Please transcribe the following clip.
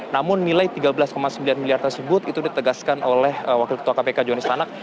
namun nilai tiga belas sembilan miliar tersebut itu ditegaskan oleh wakil ketua kpk johanis tanak